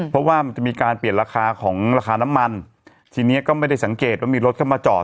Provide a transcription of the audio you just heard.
เพราะว่ามันจะมีการเปลี่ยนราคาของราคาน้ำมันทีเนี้ยก็ไม่ได้สังเกตว่ามีรถเข้ามาจอด